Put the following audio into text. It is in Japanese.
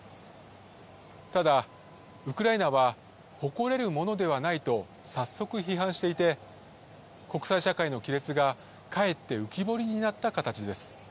ただウクライナは誇れるものではないと早速批判していて、国際社会の規律がかえって浮き彫りになった形です。